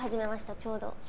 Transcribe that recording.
ちょうど。